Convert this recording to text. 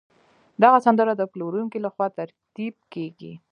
دغه سند د پلورونکي له خوا ترتیب کیږي.